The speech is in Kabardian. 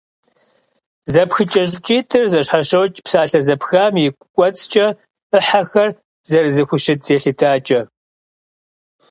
Зэпхыкӏэ щӏыкӏитӏыр зэщхьэщокӏ псалъэ зэпхам и кӏуэцӏкӏэ ӏыхьэхэр зэрызэхущыт елъытакӏэ.